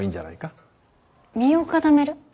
身を固める？